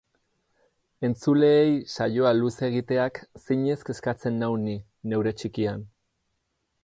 Entzuleei saioa luze egiteak zinez kezkatzen nau ni, neure txikian.